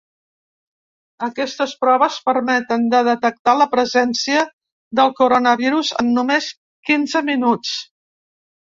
Aquestes proves permeten de detectar la presència del coronavirus en només quinze minuts.